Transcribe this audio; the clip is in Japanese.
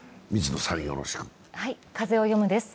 はい、「風をよむ」です。